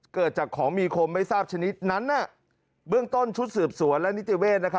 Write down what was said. เกิดจากของมีคมไม่ทราบชนิดนั้นเบื้องต้นชุดสืบสวนและนิติเวศ